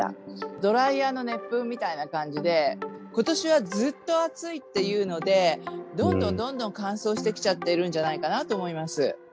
ドライヤーの熱風みたいな感じで、ことしはずっと暑いっていうので、どんどんどんどん乾燥してきちゃってるんじゃないかなと思います。